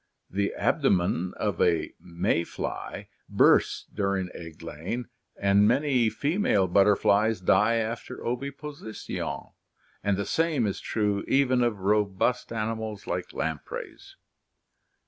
The abdomen of a may fly bursts during egg laying and "many female butterflies die after oviposi tion, and the same is true even of robust animals like lampreys.